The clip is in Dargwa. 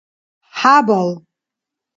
хӀябал